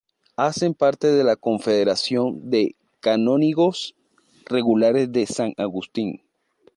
Hacen parte de la Confederación de Canónigos Regulares de San Agustín.